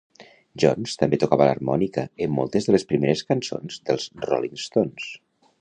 Jones també tocava l'harmònica en moltes de les primeres cançons dels Rolling Stones.